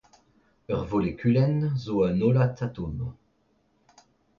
Ur volekulenn zo un hollad atom.